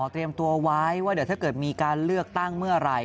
เตรียมตัวไว้ว่าเดี๋ยวถ้าเกิดมีการเลือกตั้งเมื่อไหร่